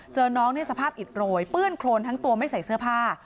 น้องในสภาพอิดโรยเปื้อนโครนทั้งตัวไม่ใส่เสื้อผ้า